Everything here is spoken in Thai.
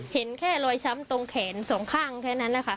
เห็นค่ะรอยช้ำตรงแขน๒ข้างแค่นั้น